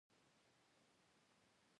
دې کې دوه اتیا نیم میلیونه یې ثابته ده